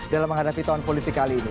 dalam menghadapi tahun politik kali ini